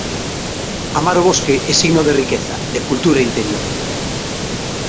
Amar o bosque é signo de riqueza, de cultura interior.